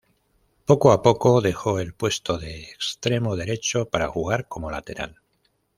Poco a poco dejó el puesto de extremo derecho para jugar como lateral.